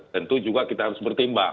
tentu juga kita harus bertimbang